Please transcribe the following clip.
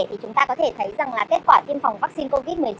thì chúng ta có thể thấy rằng là kết quả tiêm phòng vaccine covid một mươi chín